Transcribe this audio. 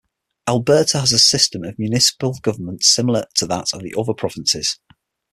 Alberta has a system of municipal government similar to that of the other provinces.